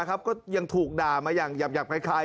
ก็ยังถูกด่ามาอย่างหยาบคล้าย